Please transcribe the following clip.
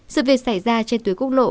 sự việc xảy ra trên tuyến cúc lộ